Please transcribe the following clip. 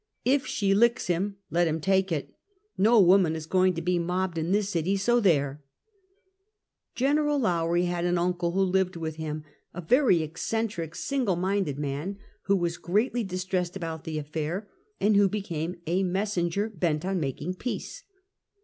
If sbe licks bim, let bim take it. No woman is going to be mobbed in tbis city ! So tliere !" Gen. Lowrie bad an uncle wbo lived witb bim, a very eccentric, single minded man, wbo was greatly distressed about tbe affair, and wbo became a messen ger bent on making peace.